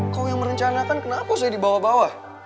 kau yang merencanakan kenapa saya dibawa bawa